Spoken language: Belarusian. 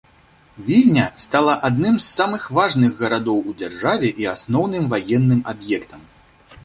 Вільня стала адным з самых важных гарадоў у дзяржаве і асноўным ваенным аб'ектам.